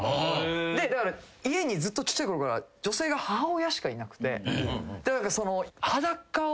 だから家にずっとちっちゃいころから女性が母親しかいなくて。